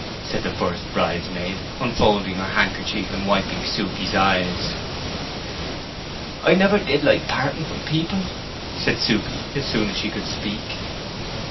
said the first bridesmaid, unfolding her handkerchief and wiping Suke's eyes. "I never did like parting from people!" said Suke, as soon as she could speak.